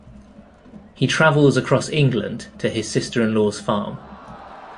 He travels across England to his sister-in-law's farm.